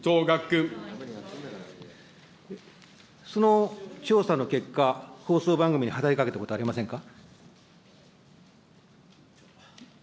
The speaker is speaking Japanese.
その調査の結果、放送番組に働きかけたことはありませんか。